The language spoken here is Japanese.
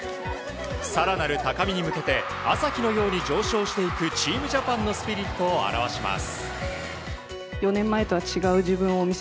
更なる高みに向けて朝日のように上昇していく「ＴＥＡＭＪＡＰＡＮ」のスピリットを表します。